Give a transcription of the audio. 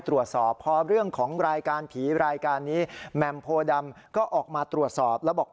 ตรวจสอบพอเรื่องของรายการผีรายการนี้แหม่มโพดำก็ออกมาตรวจสอบแล้วบอก